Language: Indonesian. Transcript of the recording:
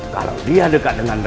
kalau dia dekat dengan